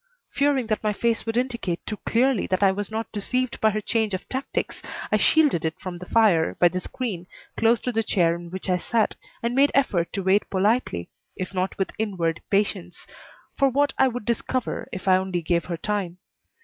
Fearing that my face would indicate too clearly that I was not deceived by her change of tactics, I shielded it from the fire by the screen, close to the chair in which I sat, and made effort to wait politely, if not with inward patience, for what I would discover if I only gave her time.